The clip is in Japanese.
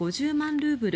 ルーブル